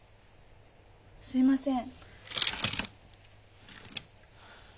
すいません。